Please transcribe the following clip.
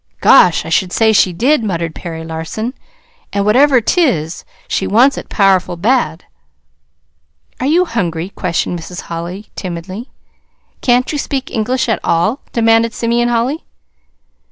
"Gosh! I should say she did," muttered Perry Larson. "An' whatever 't is, she wants it powerful bad." "Are you hungry?" questioned Mrs. Holly timidly. "Can't you speak English at all?" demanded Simeon Holly.